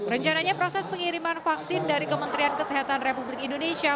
rencananya proses pengiriman vaksin dari kementerian kesehatan republik indonesia